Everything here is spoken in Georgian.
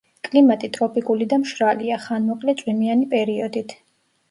კლიმატი ტროპიკული და მშრალია, ხანმოკლე წვიმიანი პერიოდით.